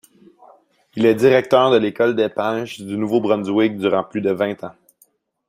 Il est directeur de l'École des pêches du Nouveau-Brunswick durant plus de vingt ans.